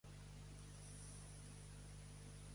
Va ser la tercera filla de l'emperador Go-Mizunoo.